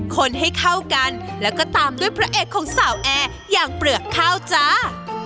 คนให้เข้ากันแล้วก็ตามด้วยพระเอกของสาวแอร์อย่างเปลือกข้าวจ้า